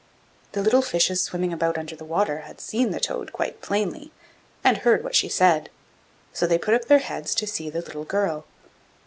The little fishes swimming about under the water had seen the toad quite plainly, and heard what she had said; so they put up their heads to see the little girl.